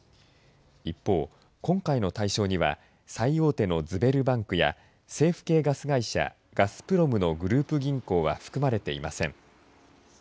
一方、今回の対象には最大手のズベルバンクや政府系ガス会社、ガスプロムのグループ銀行は含まれていません。